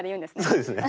そうですね。